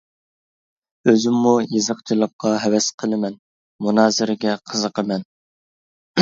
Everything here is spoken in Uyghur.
ئۆزۈممۇ يېزىقچىلىققا ھەۋەس قىلىمەن، مۇنازىرىگە قىزىقىمەن.